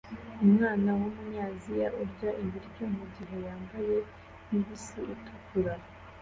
Umwana wumunyaziya urya ibiryo mugihe yambaye bibisi itukura